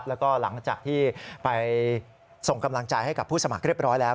แล้วก็หลังจากที่ไปส่งกำลังใจให้กับผู้สมัครเรียบร้อยแล้ว